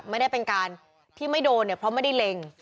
ไม่ได้เป็นการที่ไม่โดนเนี่ยเพราะไม่ได้เล็ง